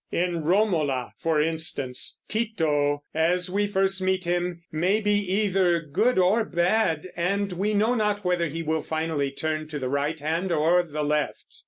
In Romola, for instance, Tito, as we first meet him, may be either good or bad, and we know not whether he will finally turn to the right hand or to the left.